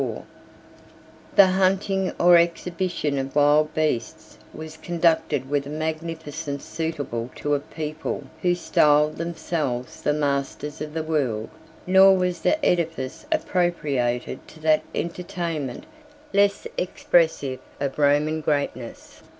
] The hunting or exhibition of wild beasts was conducted with a magnificence suitable to a people who styled themselves the masters of the world; nor was the edifice appropriated to that entertainment less expressive of Roman greatness.